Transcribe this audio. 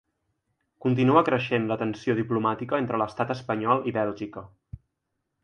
Continua creixent la tensió diplomàtica entre l’estat espanyol i Bèlgica.